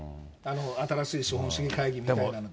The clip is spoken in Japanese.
新しい資本主義会議みたいなので。